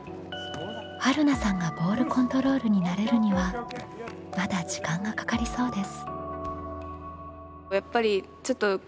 はるなさんがボールコントロールに慣れるにはまだ時間がかかりそうです。